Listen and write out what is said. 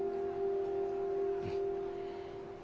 うん。